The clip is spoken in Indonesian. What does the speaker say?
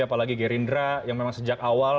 apalagi gerindra yang memang sejak awal